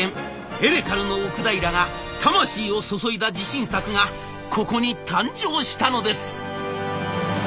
エレカルの奥平が魂を注いだ自信作がここに誕生したのです。